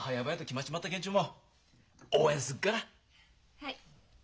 はい。